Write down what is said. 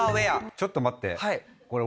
ちょっと待って。